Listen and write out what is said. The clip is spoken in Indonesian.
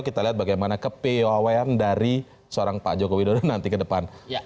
kita lihat bagaimana kepeyawan dari seorang pak joko widodo nanti ke depan